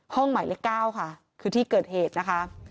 ห้องใหม่เลือกเก้าค่ะคือที่เกิดเหตุนะคะ